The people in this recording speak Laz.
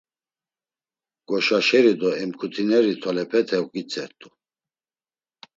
Goşaşeri do emǩutineri tolepete oǩitzert̆u.